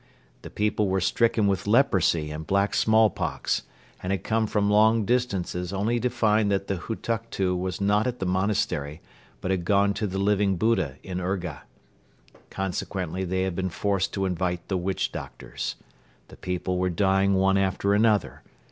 The people were stricken with leprosy and black smallpox and had come from long distances only to find that the Hutuktu was not at the monastery but had gone to the Living Buddha in Urga. Consequently they had been forced to invite the witch doctors. The people were dying one after another.